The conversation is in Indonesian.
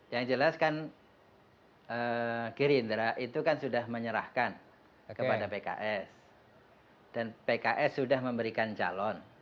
yang jelas kan gerindra itu kan sudah menyerahkan kepada pks dan pks sudah memberikan calon